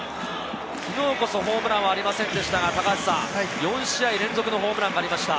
昨日こそホームランはありませんでしたが、４試合連続のホームランがありました。